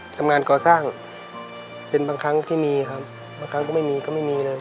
ทำงานก่อสร้างเป็นบางครั้งที่มีครับบางครั้งก็ไม่มีก็ไม่มีเลย